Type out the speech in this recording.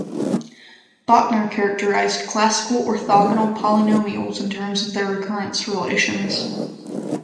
Bochner characterized classical orthogonal polynomials in terms of their recurrence relations.